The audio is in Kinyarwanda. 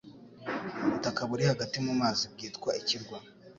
Ubutaka buri hagati mu mazi bwitwa ikirwa